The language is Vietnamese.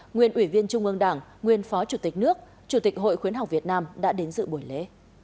nguyên ủy viên trung ương đảng nguyên phó chủ tịch nước chủ tịch hội khuyến học việt nam đã đến dự buổi lễ